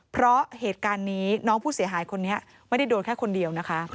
เพราะเหตุการณ์นี้น้องผู้เสียหายคนนี้ไม่ได้โดนแค่คนเดียวนะคะ